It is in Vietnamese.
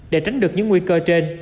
để tránh được những nguy cơ trên